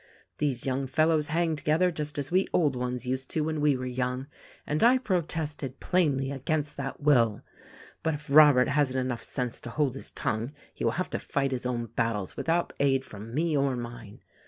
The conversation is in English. These young fellows hang together just as we old ones used to when we were young. And I protested, plainly, against that will — but if Robert hasn't sense enough to hold his tongue he will have to fight his own battles without aid from me or mine."